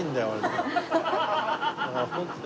だからホントに。